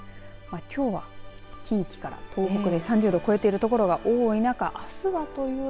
きょうは、近畿から東北で３０度を超えている所が多い中あすはというと。